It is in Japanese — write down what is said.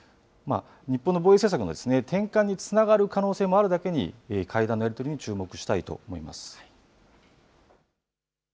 日本の防衛政策の転換につながる可能性もあるだけに、会談のやり取りに注目したいと思います。